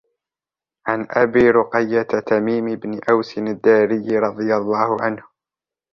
عن أبي رُقَيَّةَ تَميمِ بنِ أوْسٍ الدَّاريِّ رَضِي اللهُ عَنْهُ